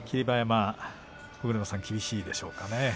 馬山尾車さん、厳しいでしょうかね。